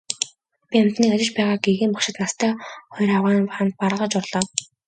Би амьтныг ажиж байгааг гэгээн багшид настай хоёр авгайн хамт бараалхаж орлоо.